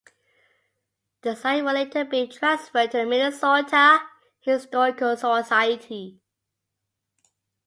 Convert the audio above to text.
The site would later be transferred to the Minnesota Historical Society.